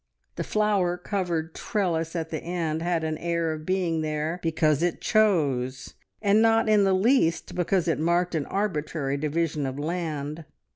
The flower covered trellis at the end had an air of being there because it chose, and not in the least because it marked an arbitrary division of land.